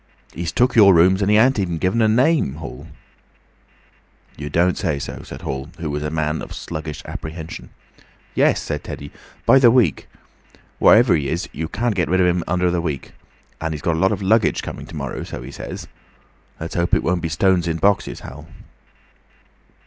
He's took your rooms and he ain't even given a name, Hall." "You don't say so!" said Hall, who was a man of sluggish apprehension. "Yes," said Teddy. "By the week. Whatever he is, you can't get rid of him under the week. And he's got a lot of luggage coming to morrow, so he says. Let's hope it won't be stones in boxes, Hall."